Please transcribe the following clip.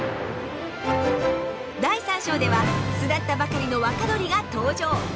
第３章では巣立ったばかりの若鳥が登場。